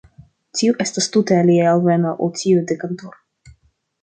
Tio estas tute alia alveno ol tiu de Cantor.